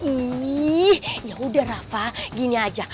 ini ya udah rafa gini aja